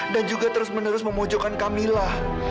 dan juga terus menerus memojokkan kamila